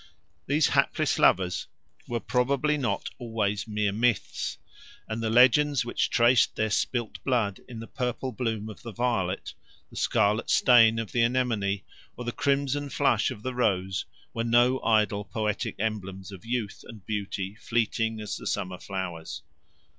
These hapless lovers were probably not always mere myths, and the legends which traced their spilt blood in the purple bloom of the violet, the scarlet stain of the anemone, or the crimson flush of the rose were no idle poetic emblems of youth and beauty fleeting as the summer flowers.